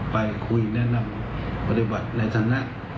ไปคุยแนะนำปฏิบัติในฐานะ